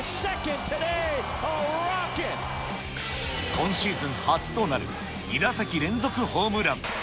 今シーズン初となる２打席連続ホームラン。